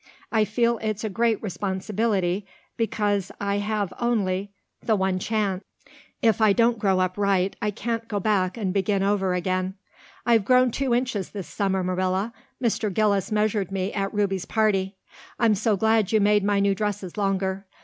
I feel it's a great responsibility because I have only the one chance. If I don't grow up right I can't go back and begin over again. I've grown two inches this summer, Marilla. Mr. Gillis measured me at Ruby's party. I'm so glad you made my new dresses longer.